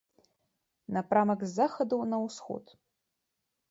Напрамак з захаду на ўсход.